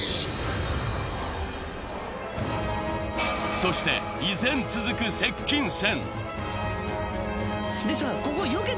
そして依然続く接近戦。